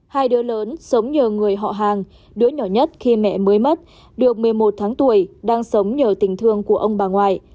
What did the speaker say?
hai đứa lớn sống nhờ người họ hàng đứa nhỏ nhất khi mẹ mới mất được một mươi một tháng tuổi đang sống nhờ tình thương của ông bà ngoại